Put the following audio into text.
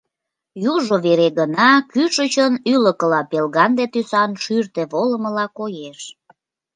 южо вере гына кӱшычын ӱлыкыла пелганде тӱсан шӱртӧ волымыла коеш: